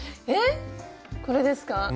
えっ⁉これですか？